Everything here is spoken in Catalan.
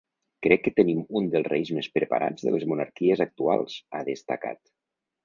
Crec que tenim un dels reis més preparats de les monarquies actuals, ha destacat.